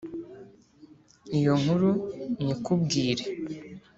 Iyo nkuru nyikubwire